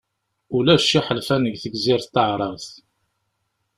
Ulac iḥelfan deg Tegzirt Taεrabt.